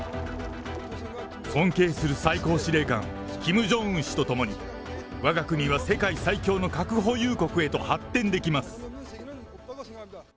尊敬する最高司令官、キム・ジョンウン氏と共に、わが国は世界最強の核保有国へと発展できます。